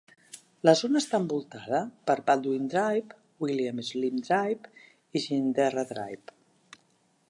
La zona està envoltada per Baldwin Drive, William Slim Drive i Ginninderra Drive.